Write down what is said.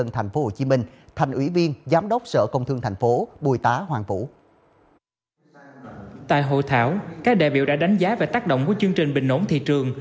tại hội thảo các đại biểu đã đánh giá về tác động của chương trình bình ổn thị trường